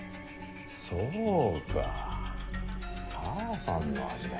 そうか母さんの味だ。